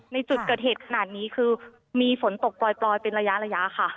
ในจุดเกิดเหตุขณะนี้คือมีฝนตกปลอยปลอยเป็นระยะระยะค่ะ